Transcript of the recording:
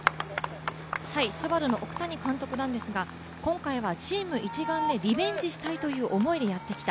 ＳＵＢＡＲＵの奥谷監督ですが、今回はチーム一丸でリベンジしたいという思いでやってきた。